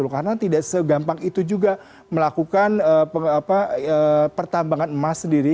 karena tidak segampang itu juga melakukan pertambangan emas sendiri